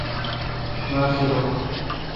باڑسولح۔